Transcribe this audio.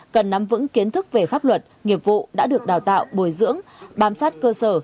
cần nắm vững kiến thức về pháp luật nghiệp vụ đã được đào tạo bồi dưỡng bám sát cơ sở